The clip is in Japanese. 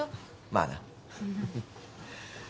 まあな。